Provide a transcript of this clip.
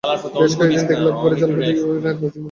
বেশ কয়েকদিন থেকেই লক্ষ করছি অল্পতেই you are losing your temper.